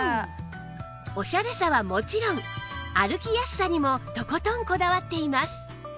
オシャレさはもちろん歩きやすさにもとことんこだわっています